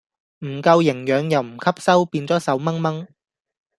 唔夠營養又唔吸收變左瘦猛猛